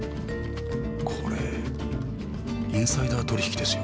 これインサイダー取引ですよ。